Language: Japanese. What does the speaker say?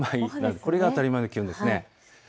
これが当たり前の気温です。